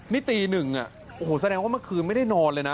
นี่ตี๑แสดงว่าเมื่อคืนไม่ได้นอนเลยนะ